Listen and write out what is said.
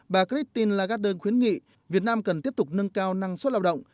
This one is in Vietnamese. bà christine lagarde khuyến nghị việt nam cần tiếp tục nâng cao năng suất lao động